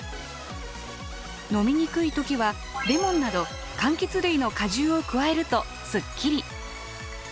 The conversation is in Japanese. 飲みにくい時はレモンなどかんきつ類の果汁を加えるとすっきり。